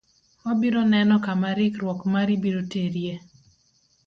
Wabiro neno kama rikruok mari biro terie.